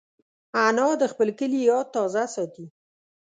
انا د خپل کلي یاد تازه ساتي